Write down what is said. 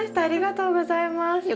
ありがとうございます。